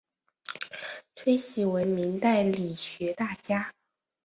崔铣为明代理学大家。